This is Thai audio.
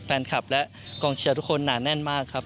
แฟนคลับและกองเชียร์ทุกคนหนาแน่นมากครับ